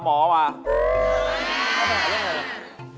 ไปหาเรื่องอะไรล่ะ